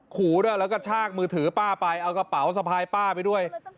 ขู่ด้วยแล้วก็ชากมือถือป้าไปเอากระเป๋าสะพายป้าไปด้วย